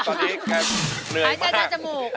หายใจทางจมูก